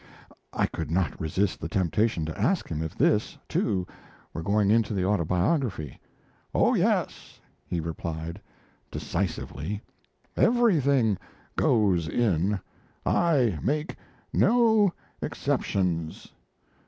I could not resist the temptation to ask him if this, too, were going into the Autobiography. "Oh yes," he replied, decisively. "Everything goes in. I make no exceptions.